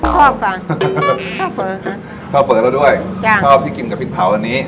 ชอบค่ะชอบเฝอค่ะชอบเฝอเราด้วยจ้ะชอบที่กินกับพริกเผาอันนี้